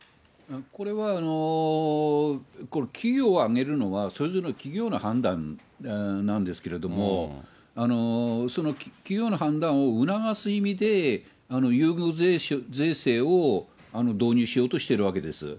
これは、企業を上げるのは、それぞれの企業の判断なんですけれども、企業の判断を促す意味で、優遇税制を導入しようとしてるわけです。